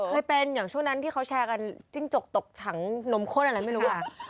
เคยเป็นอย่างช่วงนั้นที่เขาแชร์กันจิ้งจกตกถังนมข้นอะไรไม่รู้อ่ะ